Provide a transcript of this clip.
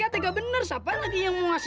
kalian mau lapor polisi